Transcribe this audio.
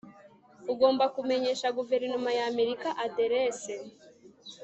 ugomba kumenyesha guverinoma y'amerika aderese